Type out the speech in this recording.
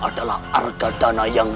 adalah harga dana yang